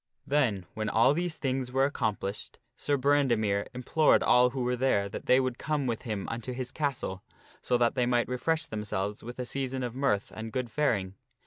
Then, when all these things were accomplished, Sir Brandemere im plored all who were there that they would come with him unto his castle, so that they might refresh themselves with a season of mirth Th( abideat and good faring.